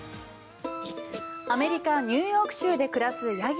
アメリカ・ニューヨーク州で暮らすヤギ。